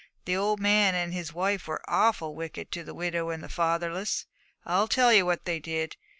The old man and his wife were awful wicked to the widow and the fatherless. I'll tell you what they did.